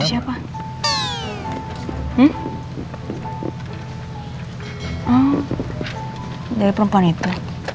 oh dari perempuan itu